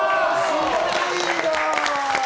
すごいな！